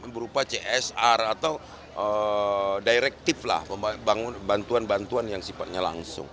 berupa csr atau directive lah bantuan bantuan yang sifatnya langsung